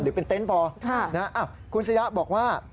หรือเป็นเต็นต์พอนะฮะคุณซีระบอกว่า